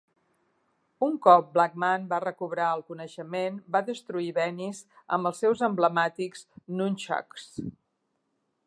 Un cop Blackman va recobrar el coneixement, va destruir Venis amb els seus emblemàtics Nunchucks.